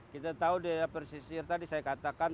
kita tahu daerah persisir tadi saya katakan